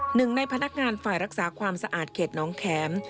หนึ่งในพนักงานฝ่ายรักษาความสะอาดเขตน้องแข็ม